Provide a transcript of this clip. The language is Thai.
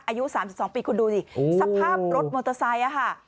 อายุ๓๒ปีคุณดูสิสภาพรถมอเตอร์ไซค์ค่ะ